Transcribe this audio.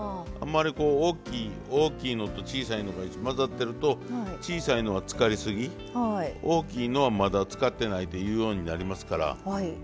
あんまりこう大きいのと小さいのが混ざってると小さいのはつかりすぎ大きいのはまだつかってないというようになりますから。